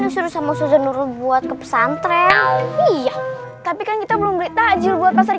suruh sama suzuru buat ke pesantren iya tapi kan kita belum beri takjil buat pasar